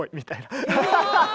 アハハハハ！